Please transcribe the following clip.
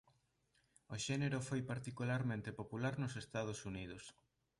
O xénero foi particularmente popular nos Estados Unidos.